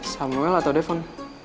samuel atau defon